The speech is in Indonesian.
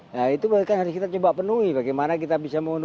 nah itu kan harus kita coba penuhi bagaimana kita bisa mengenuhi itu